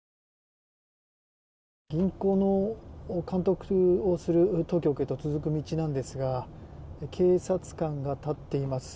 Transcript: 銀行の監督をする当局へと続く道なんですが警察官が立っています。